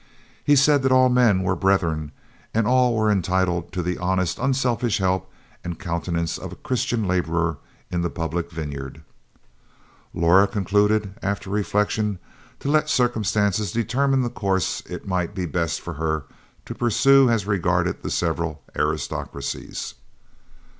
He said that all men were brethren and all were entitled to the honest unselfish help and countenance of a Christian laborer in the public vineyard. Laura concluded, after reflection, to let circumstances determine the course it might be best for her to pursue as regarded the several aristocracies.